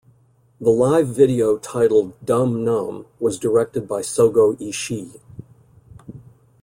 The live video titled "Dumb Numb" was directed by Sogo Ishii.